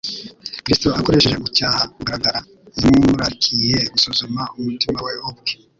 Kristo, akoresheje gucyaha kugaragara, yamurarikiye gusuzuma umutima we ubwe.